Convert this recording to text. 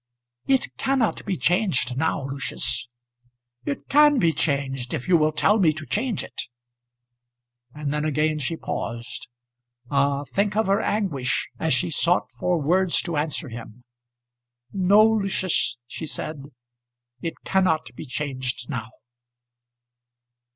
"It cannot be changed now, Lucius." "It can be changed, if you will tell me to change it." And then again she paused. Ah, think of her anguish as she sought for words to answer him! "No, Lucius," she said, "it cannot be changed now."